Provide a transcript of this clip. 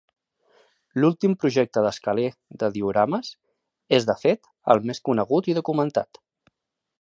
L'últim projecte d'Escaler de diorames, és de fet, el més conegut i documentat.